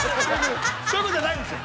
◆そういう事じゃないんですよ。